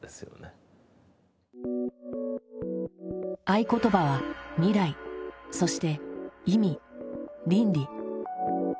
合言葉は「未来」そして「意味」「倫理」。